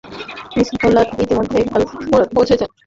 Miss Muller ইতোমধ্যেই আলমোড়ায় পৌঁছেছেন।